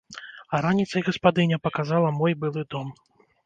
А раніцай гаспадыня паказала мой былы дом.